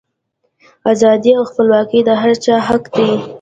ازادي او خپلواکي د هر چا حق دی.